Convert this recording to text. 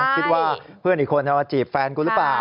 คิดว่าเพื่อนอีกคนเอามาจีบแฟนกูหรือเปล่า